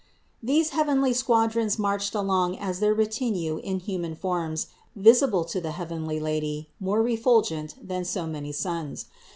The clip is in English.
These heavenly squadrons marched along as their retinue in human forms visible to the heavenly Lady, more refulgent than so many suns.